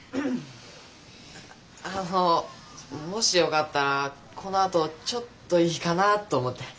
あのもしよかったらこのあとちょっといいかなと思って。